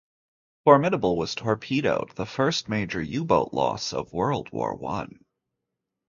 Formidable was torpedoed, the first major U-boat loss of World War One.